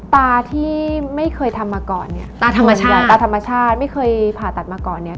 ตาที่ไม่เคยทำมาก่อนเนี่ยตาธรรมชาติตาธรรมชาติไม่เคยผ่าตัดมาก่อนเนี่ย